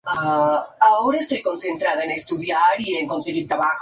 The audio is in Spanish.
Una de estas fue echa por el famoso poeta reformista Hans Sachs.